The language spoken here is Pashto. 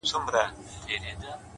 • د مرګ غېږ ته ورغلی یې نادانه,